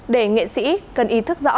để nghệ sĩ cần ý thức rõ